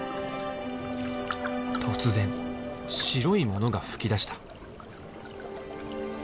突然白いものが噴き出した。